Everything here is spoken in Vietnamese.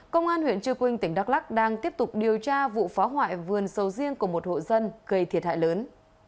công an huyện trư quynh tỉnh đắk lắc đang tiếp tục điều tra vụ phá hoại vườn sầu riêng của một hộ dân gây thiệt hại lớn